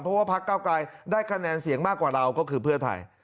เพราะว่าพักเก้าไกลได้คะแนนเสียงมากกว่าเราก็คือเพื่อไทย